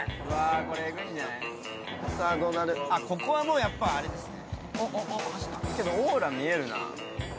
ここはもうやっぱあれですね。